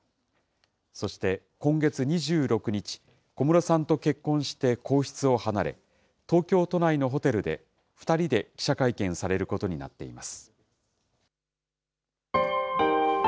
そして今月２６日、小室さんと結婚して皇室を離れ、東京都内のホテルで２人で記者会見されることになっています。